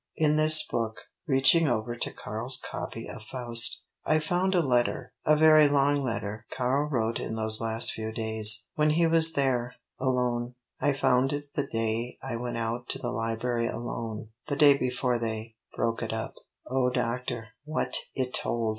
In this book" reaching over to Karl's copy of Faust "I found a letter a very long letter Karl wrote in those last few days, when he was there alone. I found it the day I went out to the library alone the day before they broke it up. Oh doctor _what it told!